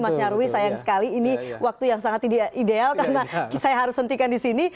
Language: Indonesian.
mas nyarwi sayang sekali ini waktu yang sangat ideal karena saya harus hentikan di sini